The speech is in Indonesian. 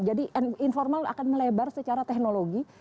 jadi informal akan melebar secara teknologi